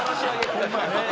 ホンマやね。